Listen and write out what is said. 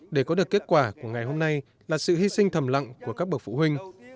để có được kết quả của ngày hôm nay là sự hy sinh thầm lặng của các bậc phụ huynh